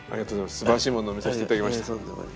すばらしいものを見させて頂きました。